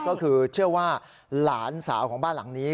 ก็คือเชื่อว่าหลานสาวของบ้านหลังนี้